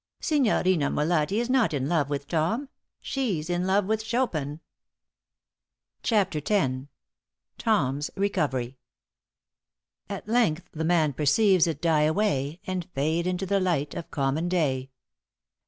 "Signorina Molatti is not in love with Tom she's in love with Chopin." *CHAPTER X.* *TOM'S RECOVERY.* At length the man perceives it die away And fade into the light of common day.